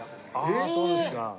あっそうですか。